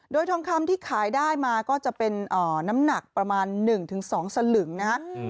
โดยทองคำที่ขายได้มาก็จะเป็นน้ำหนักประมาณ๑๒สลึงนะฮะ